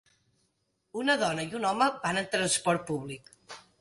Una dona i un home van en transport públic.